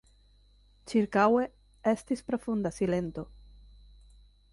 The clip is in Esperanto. Ĉirkaŭe estis profunda silento.